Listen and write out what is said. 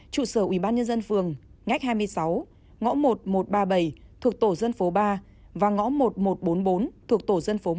trụ sở ubnd phường ngách hai mươi sáu ngõ một nghìn một trăm ba mươi bảy thuộc tổ dân phố ba và ngõ một nghìn một trăm bốn mươi bốn thuộc tổ dân phố một